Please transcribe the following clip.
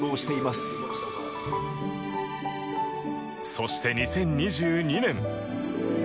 そして、２０２２年。